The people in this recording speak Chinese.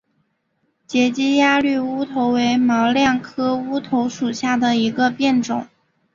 截基鸭绿乌头为毛茛科乌头属下的一个变种。